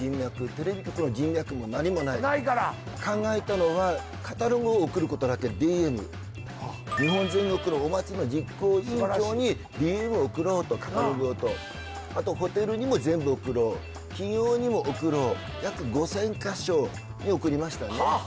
テレビ局の人脈も何もないないから考えたのは日本全国のお祭りの実行委員長にＤＭを送ろうとカタログをとあとホテルにも全部送ろう企業にも送ろう約５０００カ所に送りましたね